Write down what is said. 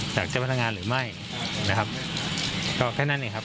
จากเจ้าพนักงานหรือไม่นะครับก็แค่นั้นเองครับ